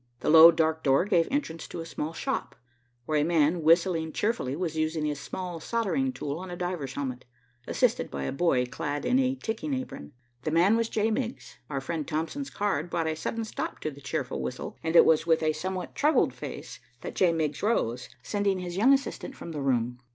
The low, dark door gave entrance to a small shop, where a man, whistling cheerfully, was using a small soldering tool on a diver's helmet, assisted by a boy clad in a ticking apron. The man was J. Miggs. Our friend Thompson's card brought a sudden stop to the cheerful whistle, and it was with a somewhat troubled face that J. Miggs rose, sending his young assistant from the room.